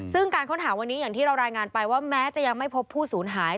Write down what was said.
ซึ่งการค้นหาวันนี้อย่างที่เรารายงานไปว่าแม้จะยังไม่พบผู้สูญหาย